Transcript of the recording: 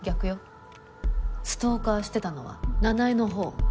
ストーカーしてたのは奈々江のほう。